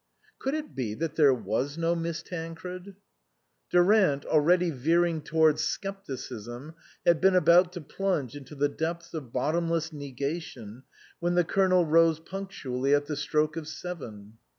Could it be that there was no Miss Tancred ? Durant, already veering towards scepticism, had been about to plunge into the depths of bottomless negation when the Colonel rose punctually at the stroke of seven.